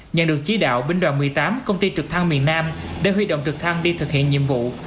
nhận được chỉ đạo binh đoàn một mươi tám công ty trực thăng miền nam đã huy động trực thăng đi thực hiện nhiệm vụ